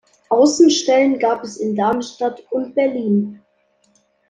Außenstellen gab es in Darmstadt und Berlin.